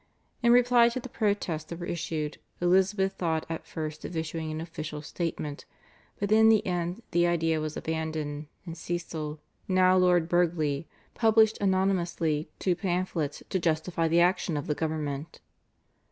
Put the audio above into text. In reply to the protests that were raised Elizabeth thought at first of issuing an official statement, but in the end the idea was abandoned and Cecil, now Lord Burghley, published anonymously two pamphlets to justify the action of the government.